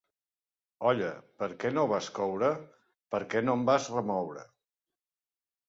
Olla, per què no vas coure? —Perquè no em vas remoure.